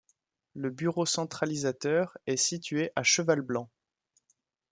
Le bureau centralisateur est situé à Cheval-Blanc.